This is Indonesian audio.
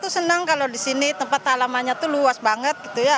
seneng kalau di sini tempat alamannya luas banget